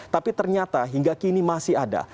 tapi ternyata hingga kini masih ada